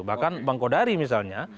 bahkan bang kodari misalnya